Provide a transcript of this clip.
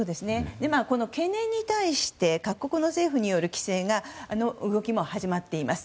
この懸念に対して各国政府による規制の動きが始まっています。